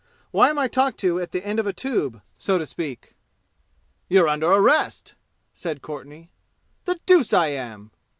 "Why am I talked to at the end of a tube, so to speak?" "You're under arrest!" said Courtenay. "The deuce I am!"